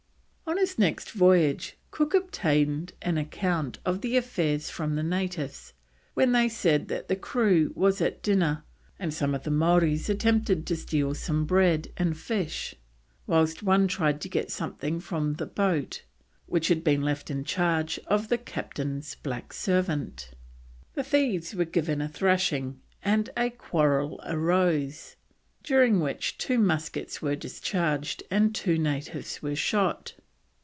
On his next voyage Cook obtained an account of the affair from the natives, when they said that the crew was at dinner and some of the Maoris attempted to steal some bread and fish, whilst one tried to get something from the boat which had been left in charge of the Captain's black servant. The thieves were given a thrashing, and a quarrel arose, during which two muskets were discharged and two natives were shot.